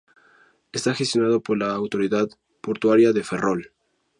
Está gestionado por la autoridad portuaria de Ferrol.